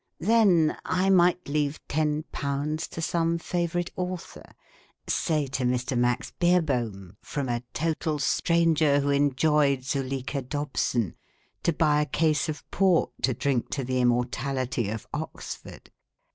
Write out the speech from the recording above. Then I might leave 10 to some favourite author say to Mr. Max Beerbohm, " from a total stranger who enjoyed ' Zuleika Dobson,' " to buy a case of Port to drink to the immortality of Oxford.